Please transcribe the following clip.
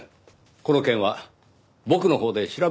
この件は僕のほうで調べます。